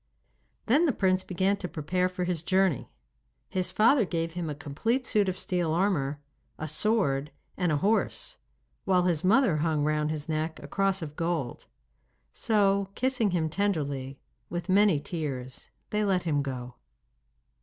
Then the prince began to prepare for his journey. His father gave him a complete suit of steel armour, a sword, and a horse, while his mother hung round his neck a cross of gold. So, kissing him tenderly, with many tears they let him go.